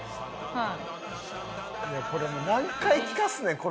はい。